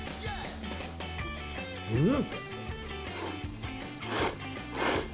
うん！